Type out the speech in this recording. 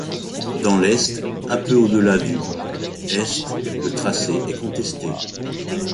Dans l'est, un peu au-delà du est, le tracé est contesté.